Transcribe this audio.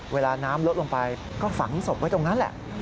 เวลาน้ำลดลงไปก็ฝังศพไว้ตรงนั้นแหละ